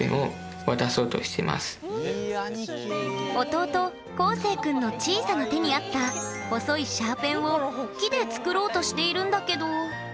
弟こうせいくんの小さな手に合った細いシャーペンを木で作ろうとしているんだけど。